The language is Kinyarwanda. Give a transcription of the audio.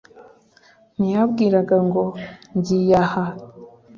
ntiyambwiraga ngo ngiye aha